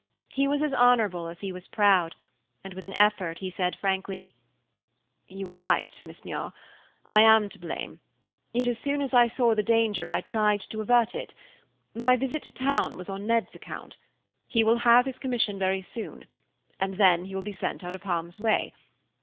He was as honorable as he was proud, and with an effort he said frankly, "You are right, Miss Muir. I am to blame, yet as soon as I saw the danger, I tried to avert it. My visit to town was on Ned's account; he will have his commission very soon, and then he will be sent out of harm's way.